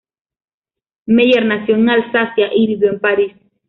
Meyer nació en Alsacia y vivió en París.